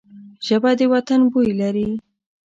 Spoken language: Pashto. ژبه د وطن بوی لري